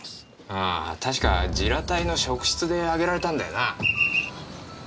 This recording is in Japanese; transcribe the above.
ああ確か自ら隊の職質で挙げられたんだよな。